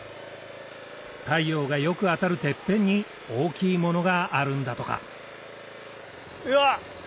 太陽がよく当たるてっぺんに大きいものがあるんだとかうわっ！